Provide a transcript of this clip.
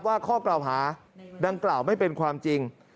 ข้อกล่าวหาดังกล่าวไม่เป็นความจริง